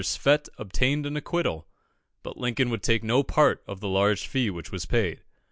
Swett obtained an acquittal, but Lincoln would take no part of the large fee which was paid.